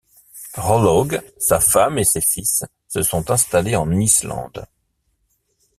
Hrollaug, sa femme et ses fils se sont installés en Islande.